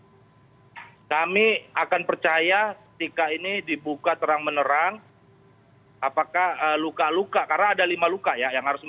hai kami akan percaya tika ini dibuka terang menerang apakah luka luka karena ada lima luka yang harus